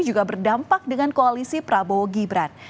juga berdampak dengan koalisi prabowo gibran